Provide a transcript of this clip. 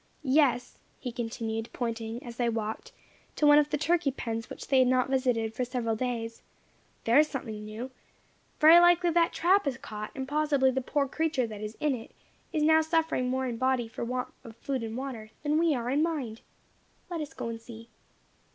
Yes," he continued, pointing, as they walked, to one of the turkey pens which they had not visited for several days, "there is something now. Very likely that trap has caught, and possibly the poor creature that is in it, is now suffering more in body for want of food and water, than we are in mind. Let us go and see."